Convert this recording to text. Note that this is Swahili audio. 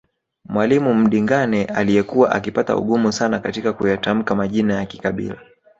Mwalimu Mdingane aliyekuwa akipata ugumu sana katika kuyatamka Majina ya kikabila